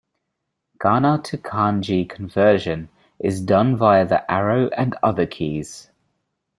Kana to kanji conversion is done via the arrow and other keys.